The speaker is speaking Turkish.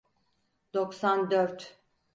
Doksan dört.